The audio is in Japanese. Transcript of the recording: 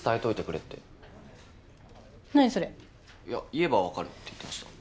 言えば分かるって言ってました。